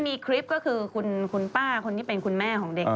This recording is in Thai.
มีคลิปก็คือคุณป้าคนที่เป็นคุณแม่ของเด็ก